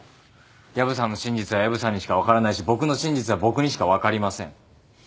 薮さんの真実は薮さんにしか分からないし僕の真実は僕にしか分かりません。